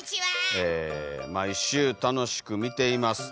「毎週楽しく観ています。